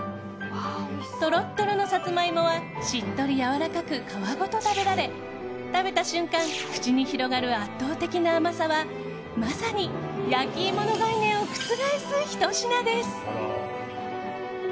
とろっとろのサツマイモはしっとりやわらかく皮ごと食べられ食べた瞬間口に広がる圧倒的な甘さはまさに焼き芋の概念を覆すひと品です。